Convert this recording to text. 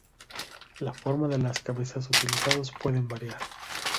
La forma de las cabezas utilizados pueden variar.